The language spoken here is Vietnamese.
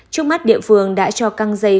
trước mắt địa phương đã cho căng dây